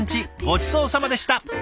ごちそうさまでした。